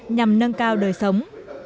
nhằm nâng cao đời sống